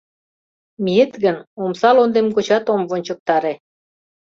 Миет гын, омса лондем гочат ом вончыктаре.